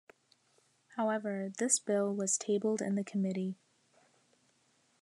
However, this bill was tabled in the committee.